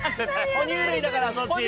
哺乳類だからそっち。